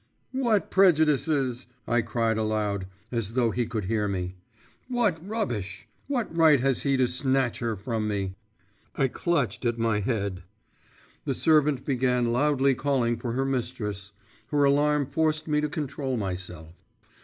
'What prejudices?' I cried aloud, as though he could hear me; 'what rubbish! What right has he to snatch her from me?…' I clutched at my head. The servant began loudly calling for her mistress; her alarm forced me to control myself.